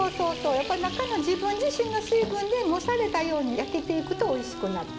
やっぱり中の自分自身の水分で蒸されたように焼けていくとおいしくなって。